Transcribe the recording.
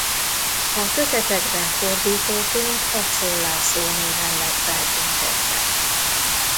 A kötetekben fordítóként Aczél László néven lett feltüntetve.